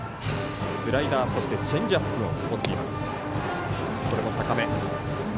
スライダー、そしてチェンジアップを持っています。